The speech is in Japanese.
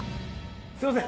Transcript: すいません